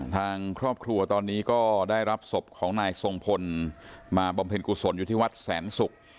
ทางครอบครัวตอนนี้ก็ได้รับศพของนายทรงพลมาบำเพ็ญกุศลอยู่ที่วัดแสนศุกร์